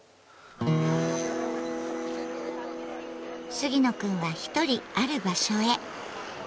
杉野くんは一人ある場所へ。